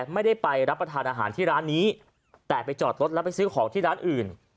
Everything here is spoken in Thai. ไม่ได้ไปรับประทานอาหารที่ร้านนี้แต่ไปจอดรถแล้วไปซื้อของที่ร้านอื่น